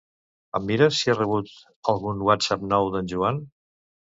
Em mires si he rebut algun whatsapp nou d'en Joan?